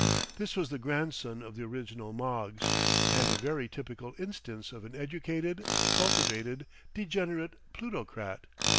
This was the grandson of the original Moggs, and a very typical instance of an educated, cultivated, degenerate plutocrat.